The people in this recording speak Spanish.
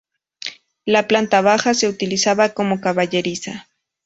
La planta baja se utilizaba como caballeriza.